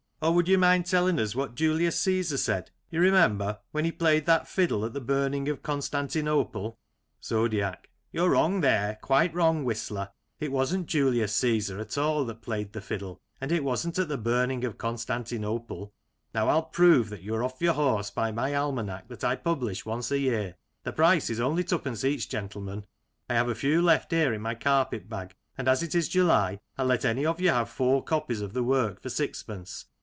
Or, would you mind telling us what Julius Caesar said, you remember, when he played that fiddle at the burning of Constantinople ? Zodiac : You're wrong there, quite wrong. Whistler. It wasn't Julius Caesar at all that played the fiddle; and it wasn't at the burning of Constantinople. Now, I'll prove that you are oflf your horse by my almanac that I publish once a year, the price is only twopence each, gentlemen. I 120 Lancashire Characters and Places, have a few left here in my carpet bag, and, as it is July, I'll let any of you have four copies of the work for sixpence.